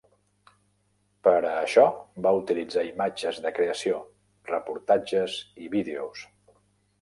Per a això, va utilitzar imatges de creació, reportatges i vídeos.